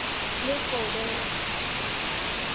เลือกโฟลเดอร์